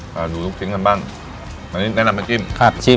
มาดูลูกชิ้นกันบ้างวันนี้แนะนำน้ำจิ้มครับจิ้ม